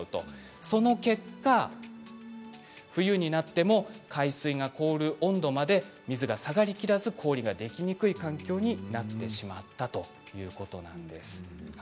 その結果、冬になっても海水が凍る温度まで水が下がりきらず氷ができにくい環境になってしまったということなんです。